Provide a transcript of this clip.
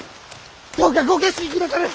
どうかご決心くだされ！